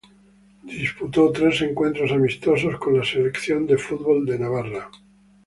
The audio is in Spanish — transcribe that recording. Disputó tres encuentros amistosos con la selección de fútbol de Navarra.